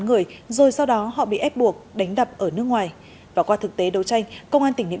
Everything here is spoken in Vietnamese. người rồi sau đó họ bị ép buộc đánh đập ở nước ngoài và qua thực tế đấu tranh công an tỉnh điện